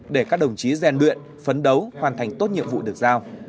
để các đồng chí rèn luyện phấn đấu hoàn thành tốt nhiệm vụ được giao